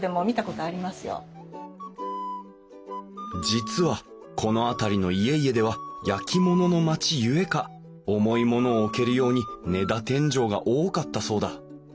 実はこの辺りの家々では焼き物の町ゆえか重い物を置けるように根太天井が多かったそうだ